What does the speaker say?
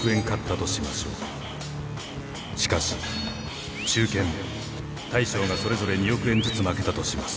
しかし中堅大将がそれぞれ２億円ずつ負けたとします。